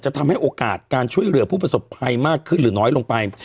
ทำให้โอกาสการช่วยเหลือผู้ประสบภัยมากขึ้นหรือน้อยลงไป